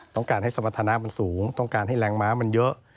ต้องการให้สมรรถนะมันสูงต้องการให้แรงม้ามันเยอะ